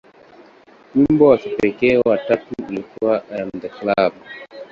Wimbo wa kipekee wa tatu ulikuwa "I Am The Club".